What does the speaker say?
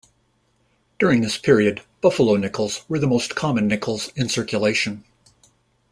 During this period, Buffalo nickels were the most common nickels in circulation.